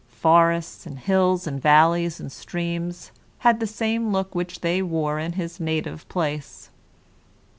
Forests, and hills, and valleys, and streams had the same looks which they wore in his native place.